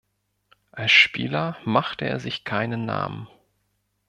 Als Spieler machte er sich keinen Namen.